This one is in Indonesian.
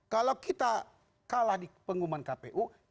kalau kita kalah di pengumuman kpu